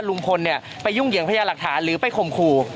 ลุงพลไปยุ่งเหยิงพยาหลักฐานหรือไปข่มขู่